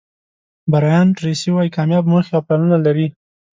برایان ټریسي وایي کامیاب موخې او پلانونه لري.